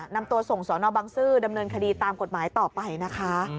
นำตัวส่งสอนอบังซื้อดำเนินคดีตามกฎหมายต่อไปนะคะ